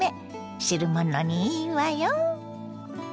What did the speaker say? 汁物にいいわよ。